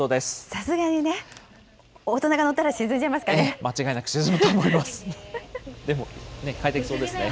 さすがにね、大人が乗ったら沈んじゃいますかね。